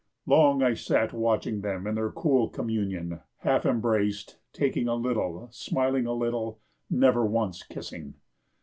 Long I sat watching them in their cool communion, half embraced, talking a little, smiling a little, never once kissing.